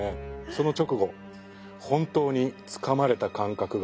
その直後本当につかまれた感覚があるんですよ。